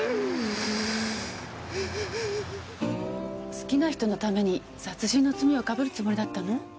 好きな人のために殺人の罪をかぶるつもりだったの？